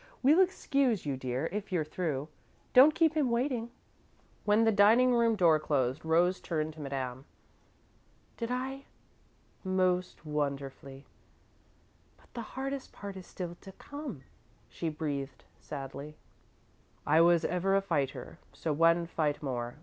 "We'll excuse you dear, if you're through. Don't keep him waiting." When the dining room door closed, Rose turned to Madame. "Did I " "Most wonderfully." "But the hardest part is still to come," she breathed, sadly. "'I was ever a fighter, so one fight more.